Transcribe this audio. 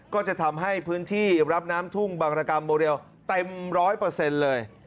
ก็จะทำให้พื้นที่รับน้ำทุ่งบางรกรรมโมเดลเต็ม๑๐๐เลย